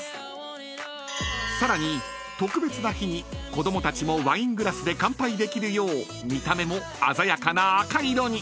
［さらに特別な日に子供たちもワイングラスで乾杯できるよう見た目も鮮やかな赤色に］